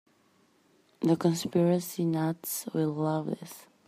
The conspiracy nuts will love this.